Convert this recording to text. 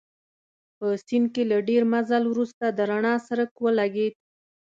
په سیند کې له ډېر مزل وروسته د رڼا څرک ولګېد.